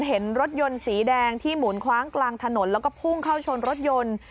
เห็นรถยนต์สีแดงที่หมุนคว้างกลางถนนแล้วก็พุ่งเข้าชนรถยนต์